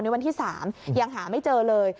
วันที่๓ยังหาไม่เจอเลย